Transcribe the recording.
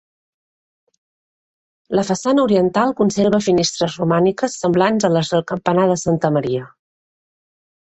La façana oriental conserva finestres romàniques semblants a les del campanar de Santa Maria.